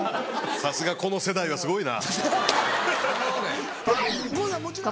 さすがこの世代はすごいな。